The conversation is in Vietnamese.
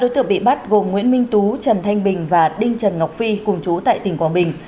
sáu đối tượng bị bắt gồm nguyễn minh tú trần thanh bình và đinh trần ngọc phi cùng chú tại tỉnh quảng bình